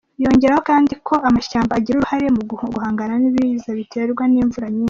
Yongeraho kandi ko amashyamba agira uruhare mu guhangana n’ibiza biterwa n’imvura nyinshi.